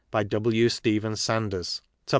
By W. Stephen Sanders. 2d.